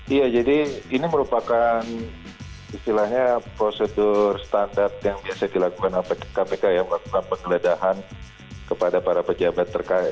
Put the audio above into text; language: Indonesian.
iya jadi ini merupakan istilahnya prosedur standar yang biasa dilakukan kpk ya melakukan penggeledahan kepada para pejabat terkait